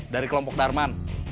dari kelompok darman